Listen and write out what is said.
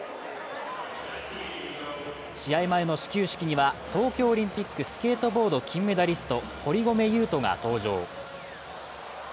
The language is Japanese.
試合前の始球式には東京オリンピックスケートボード金メダリスト、堀米雄斗が登場。